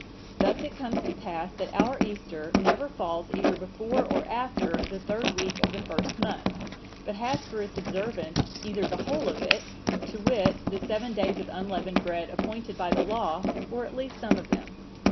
Thus it comes to pass that our Easter never falls either before or after the third week of the first month, but has for its observance either the whole of it, to wit, the seven days of unleavened bread appointed by the law, or at least some of them.